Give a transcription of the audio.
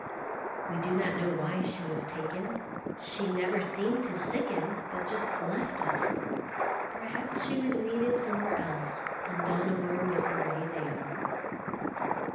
We do not know why she was taken. She never seemed to sicken, but just left us; perhaps she was needed somewhere else, and Dohnavur was the way there.